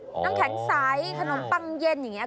น้ำแข็งใสขนมปังเย็นอย่างนี้